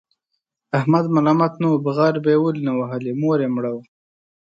احمد ملامت نه و، بغارې به یې ولې نه وهلې؛ مور یې مړه وه.